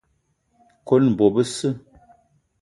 Kone bo besse